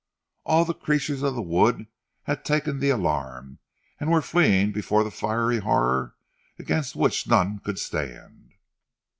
All the creatures of the wood had taken the alarm and were fleeing before the fiery horror against which none could stand.